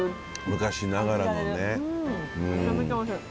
昔ながらのね。